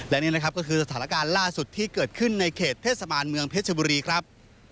และนี่นะครับก็คือสถานการณ์ล่าสุดที่เกิดขึ้นในเขตเทศบาลเมืองเพชรบุรีครับ